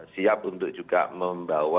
siap untuk juga membawa